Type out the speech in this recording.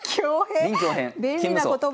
便利な言葉。